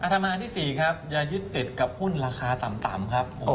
ทำมาที่๔ครับอย่ายึดติดกับหุ้นราคาต่ำครับ